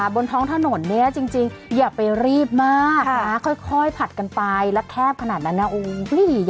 บนท้องถนนเนี่ยจริงอย่าไปรีบมากนะค่อยผัดกันไปแล้วแคบขนาดนั้นนะ